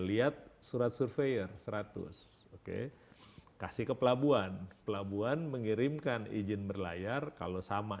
lihat surat surveyor seratus oke kasih ke pelabuhan pelabuhan mengirimkan izin berlayar kalau sama